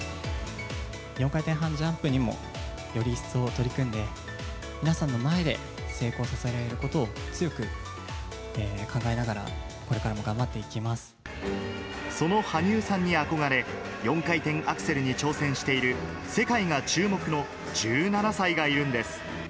４回転半ジャンプにも、より一層取り組んで、皆さんの前で成功させられることを強く考えながら、これからも頑その羽生さんに憧れ、４回転アクセルに挑戦している、世界が注目の１７歳がいるんです。